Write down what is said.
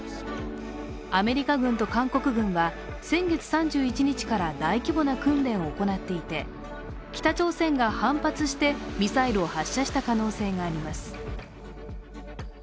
アメリカ軍と韓国軍は、先月３１日から大規模な訓練を行っていて、北朝鮮が反発してミサイルを発射した可能性があります。